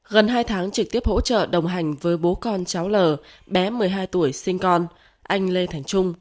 gần hai tháng trực tiếp hỗ trợ đồng hành với bố con cháu l bé một mươi hai tuổi sinh con anh lê thành trung